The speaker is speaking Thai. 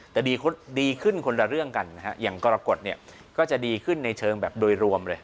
แต่ดีขึ้นคนละเรื่องกันนะฮะอย่างกรกฎเนี่ยก็จะดีขึ้นในเชิงแบบโดยรวมเลย